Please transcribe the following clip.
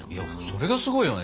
それがすごいよね。